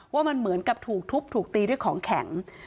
ว่ามันเหมือนกับถูกทุบถูกตีด้วยของแข็ง